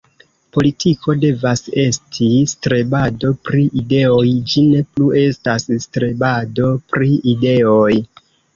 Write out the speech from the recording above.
Politiko devas esti strebado pri ideoj; ĝi ne plu estas strebado pri ideoj.